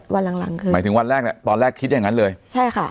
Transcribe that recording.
วันหลังหลังคือหมายถึงวันแรกแหละตอนแรกคิดอย่างงั้นเลยใช่ค่ะ